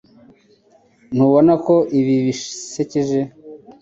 Ntubona ko ibi bisekeje